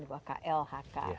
di bawah klhk